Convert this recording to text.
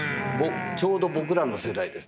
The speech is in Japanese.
ちょうど僕らの世代です。